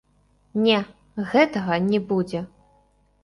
Не, гэтага не будзе!